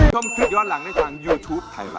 ชมคลิปย้อนหลังในทางยูทูปไทยละ